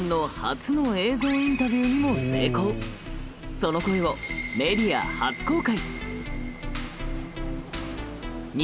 その声をメディア初公開！